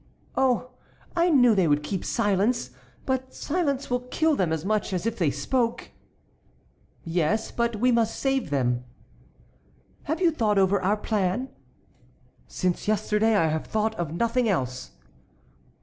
"Oh! I knew they would keep silence; but silence will kill them as much as if they spoke." "Yes, but we must save them." "Have you thought over our plan?" "Since yesterday I have thought of nothing else."